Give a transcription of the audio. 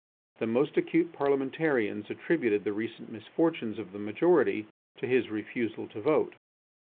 The most acute parliamentarians attributed the recent misfortunes of the majority to his refusal to vote.